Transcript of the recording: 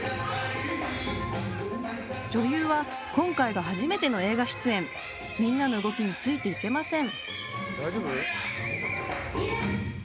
女優は今回が初めての映画出演みんなの動きについていけません